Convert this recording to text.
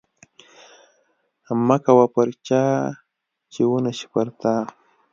مه کوه پر چا چې ونشي پر تا